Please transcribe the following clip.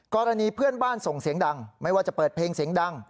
กรณีเพื่อนบ้านส่งเสียงดังไม่ว่าจะเปิดเพลงเสียงดัง